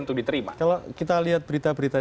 untuk diterima kalau kita lihat berita berita